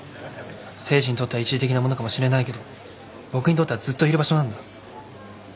誠治にとっては一時的なものかもしれないけど僕にとってはずっといる場所なんだ。